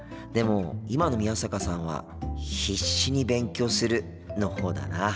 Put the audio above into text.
でも今の宮坂さんは「必死に勉強する」のほうだな。